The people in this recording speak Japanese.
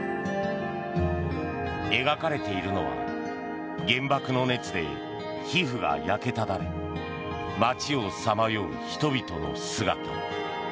描かれているのは原爆の熱で皮膚が焼けただれ街をさまよう人々の姿。